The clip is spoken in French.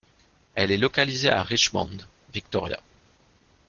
Elle est localisée à Richmond, Victoria.